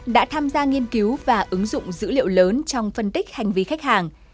đã tham gia nghiên cứu và ứng dụng dữ liệu lớn trong phân tích hành vi khách hàng